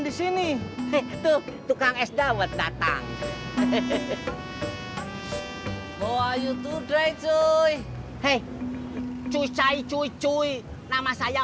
di sini tuh tukang es daun datang hehehe hai bahaya itu dry cuy hai cuy cuy cuy cuy nama saya